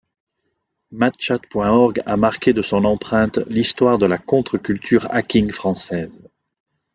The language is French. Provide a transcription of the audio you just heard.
Madchat.org a marqué de son empreinte l'histoire de la contre-culture hacking française.